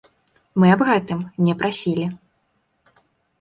Мы аб гэтым не прасілі.